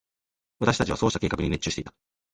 私達はそうした計画に熱中していた。